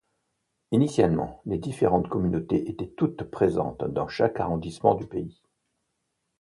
Initialement, les différentes communautés étaient toutes présentes dans chaque arrondissement du pays.